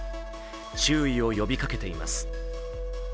注意を呼びかけています。